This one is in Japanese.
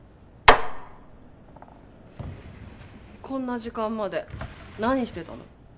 こんな時間まで何してたの？